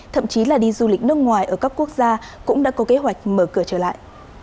thậm chí là đi du lịch nước ngoài ở các quốc gia cũng đã có kế hoạch mở cửa trở lại